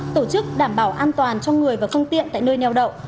tổ chức đảm bảo an toàn cho người và phương tiện tại nơi neo đậu